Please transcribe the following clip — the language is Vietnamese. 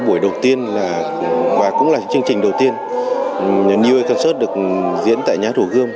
buổi đầu tiên và cũng là chương trình đầu tiên new york concert được diễn tại nhà hát hồ gươm